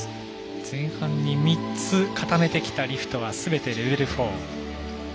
前半に３つ固めてきたリフトはすべてレベル４。